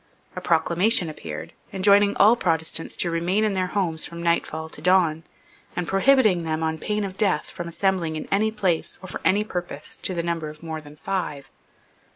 A proclamation appeared, enjoining all Protestants to remain in their houses from nightfall to dawn, and prohibiting them, on pain of death, from assembling in any place or for any purpose to the number of more than five.